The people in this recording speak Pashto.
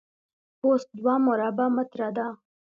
پوست دوه مربع متره ده.